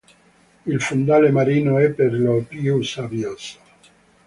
Il fondale marino è per lo più sabbioso.